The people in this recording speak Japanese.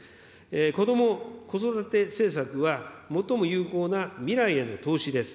こども・子育て政策は、最も有効な未来への投資です。